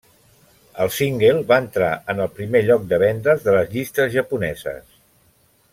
El single va entrar en el primer lloc de vendes de les llistes japoneses.